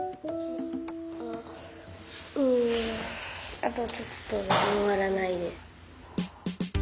うんあとちょっとで回らないです。